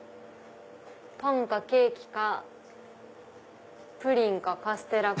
パンかケーキかプリンかカステラか。